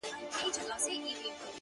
ځه پرېږده وخته نور به مي راويښ کړم ـ